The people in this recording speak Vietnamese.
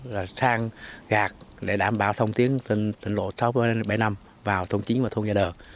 là sang gạt để đảm bảo thông tiến tỉnh lộ sáu bảy năm vào thôn chín và thôn nhà đờ